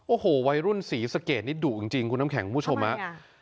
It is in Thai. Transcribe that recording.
โอ้โหวัยรุ่นสีสเกดนี่ดุจริงจริงคุณน้ำแข็งคุณผู้ชมอ่ะทำไมอ่ะ